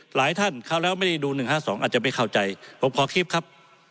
หลายท่านเข้าแล้วไม่ได้ดู๑๕๒อาจจะไม่เข้าใจผมขอคลิปครับ